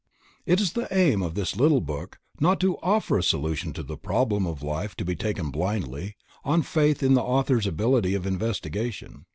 That is the aim of this little book; not to offer a solution to the problem of life to be taken blindly, on faith in the author's ability of investigation.